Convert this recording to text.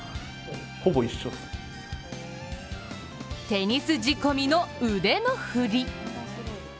テニス仕込みの腕の振り。